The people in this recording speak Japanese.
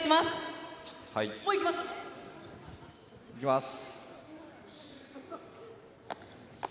いきます。